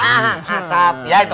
ah pak safi'i itu